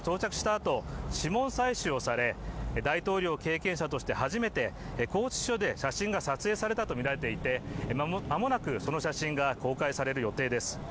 あと指紋採取をされ大統領経験者として初めて拘置所で写真が撮影されたとみられていて間もなく、その写真が公開される予定です。